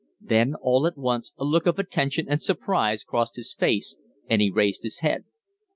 Then all at once a look of attention and surprise crossed his face, and he raised his head.